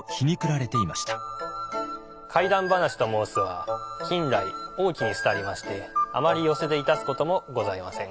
怪談噺と申すは近来大きに廃りましてあまり寄席でいたすこともございません。